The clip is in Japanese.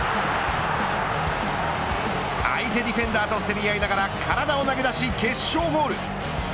相手ディフェンダーと競り合いながら体を投げ出し決勝ゴール。